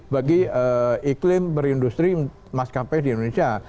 bagi iklim perindustri maskapai di indonesia